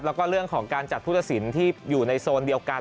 แล้วก็เรื่องของการจัดผู้ตัดสินที่อยู่ในโซนเดียวกัน